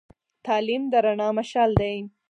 تعلیم د رڼا مشعل دی.